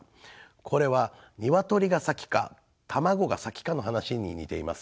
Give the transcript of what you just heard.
これは鶏が先か卵が先かの話に似ています。